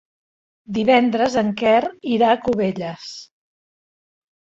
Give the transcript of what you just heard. Divendres en Quer irà a Cubelles.